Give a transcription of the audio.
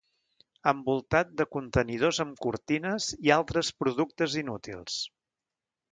Envoltat de contenidors amb cortines i altres productes inútils.